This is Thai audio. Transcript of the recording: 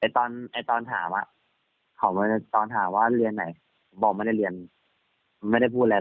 ตอนถามว่าเรียนไหนบอกว่าไม่ได้เรียนไม่ได้พูดแล้ว